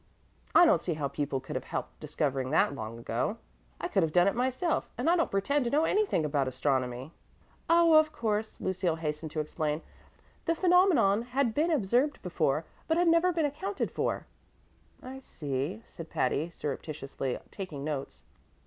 "I don't see how people could have helped discovering that long ago. I could have done it myself, and I don't pretend to know anything about astronomy." "Oh, of course," Lucille hastened to explain, "the phenomenon had been observed before, but had never been accounted for." "I see," said Patty, surreptitiously taking notes.